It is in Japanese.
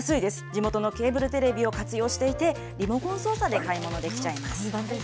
地元のケーブルテレビを活用していて、リモコン操作で買い物出来ちゃいます。